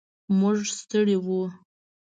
موږ ستړي و.